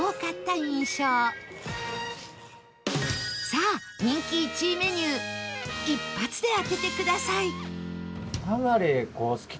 さあ人気１位メニュー一発で当ててください